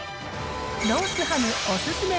ロースハムお勧め